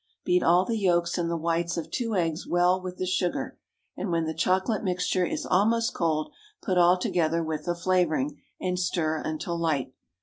Beat all the yolks and the whites of two eggs well with the sugar, and when the chocolate mixture is almost cold, put all together with the flavoring, and stir until light.